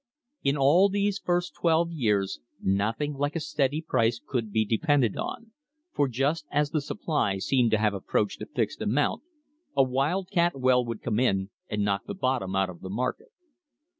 In all these first twelve years nothing like a steady price could be depended on, for just as the supply seemed to have approached a fixed amount, a "wildcat" well would come in and "knock the bottom out of the market."